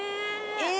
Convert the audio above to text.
え！